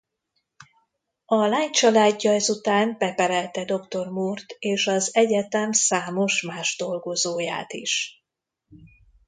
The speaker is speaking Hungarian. A lány családja ezután beperelte dr. Moore-t és az egyetem számos más dolgozóját is.